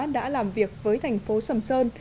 đã làm việc với thành phố sầm sơn